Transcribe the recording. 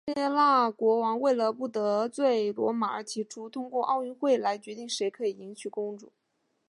希腊国王为了不得罪罗马而提出通过奥运会来决定谁可以迎娶公主。